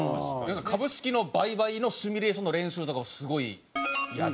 株式の売買のシミュレーションの練習とかをすごいやってましたね。